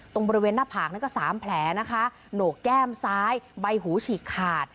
ตรงบริเวณหน้าผากนั้นก็สามแผลนะคะโหนกแก้มซ้ายใบหูฉีกขาด